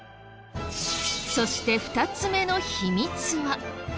そして２つ目の秘密は。